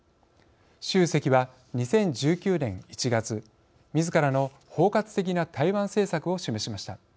習主席は、２０１９年１月みずからの包括的な台湾政策を示しました。